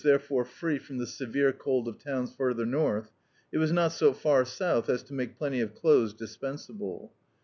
therefore free from the severe cold of towns further north, it was not so far south as to make plenty of clothes dispensable.